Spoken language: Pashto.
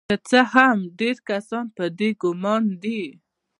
که څه هم چې ډیر کسان په دې ګمان دي